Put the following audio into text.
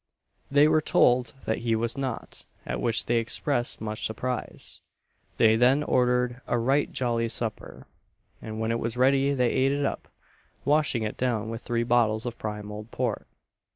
They were told that he was not; at which they expressed much surprise. They then ordered a "rite jollie supper;" and when it was ready they ate it up, washing it down with three bottles of prime old port.